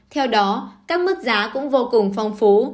theo đó các mức giá cũng vô cùng phong phú